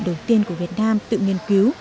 đầu tiên của việt nam tự nghiên cứu